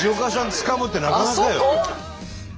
つかむってなかなかよ。